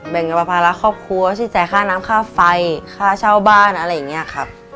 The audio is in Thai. กับภาระครอบครัวที่จ่ายค่าน้ำค่าไฟค่าเช่าบ้านอะไรอย่างนี้ครับ